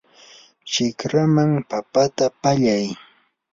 shikraman papata pallay.